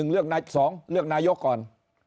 เลือกนาย๒เลือกนายกก่อน